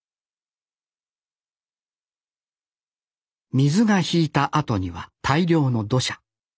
水が引いたあとには大量の土砂。